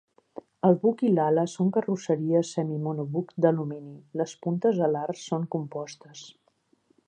El buc i l'ala són carrosseries semi-monobuc d'alumini, les puntes alars són compostes.